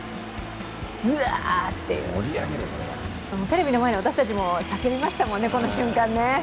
うわーっていう、テレビの前にいる私たちも叫びましたもんね、この瞬間。